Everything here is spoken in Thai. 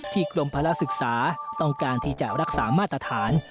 กรมภาระศึกษาต้องการที่จะรักษามาตรฐาน